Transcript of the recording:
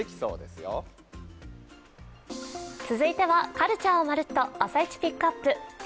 カルチャーをまるっと、「朝イチＰＩＣＫＵＰ！」。